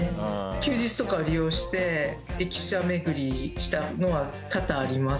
休日とかを利用して駅舎巡りしたのは多々あります。